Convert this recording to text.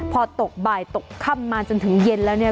พอตกบ่ายตกค่ำมาจนถึงเย็นแล้วเนี่ย